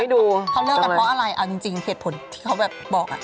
ดูเขาเลิกกันเพราะอะไรเอาจริงเหตุผลที่เขาแบบบอก